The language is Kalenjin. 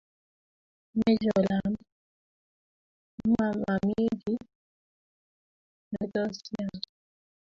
Amechol amu momii kiy netos yaun